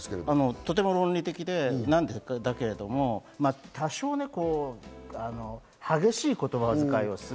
とても論理的なんだけれども多少ね、激しい言葉遣いをする。